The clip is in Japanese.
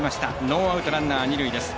ノーアウト、ランナー、二塁です。